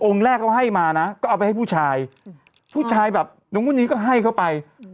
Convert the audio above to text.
แรกเขาให้มานะก็เอาไปให้ผู้ชายผู้ชายแบบนู้นนี้ก็ให้เข้าไป